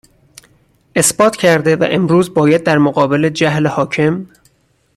اثبات کرده و امروز باید در مقابل جهل حاکم